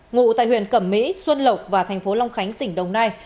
ngụ tại huyện cẩm mỹ xuân lộc và thành phố long khánh tỉnh đồng nai